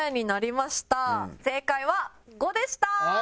正解は「５」でした！